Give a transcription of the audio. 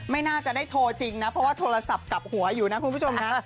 ไม่น่าจะได้โทรจริงนะเพราะว่าโทรศัพท์กลับหัวอยู่นะคุณผู้ชมนะ